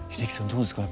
どうですか？